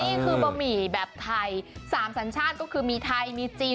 นี่คือบะหมี่แบบไทยสามสัญชาติก็คือมีไทยมีจีนมีฝรั่งนั่นเอง